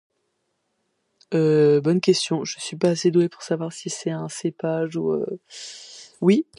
cépage